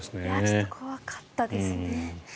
ちょっと怖かったですね。